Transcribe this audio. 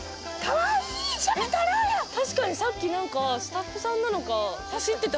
確かにさっき何かスタッフさんなのか。